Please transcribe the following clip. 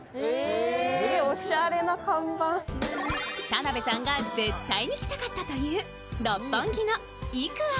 田辺さんが絶対に来たかったという六本木のＥＱＵＡＬＬＹ。